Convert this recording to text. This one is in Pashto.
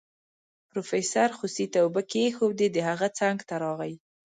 پروفيسر خوسي ته اوبه کېښودې د هغه څنګ ته راغی.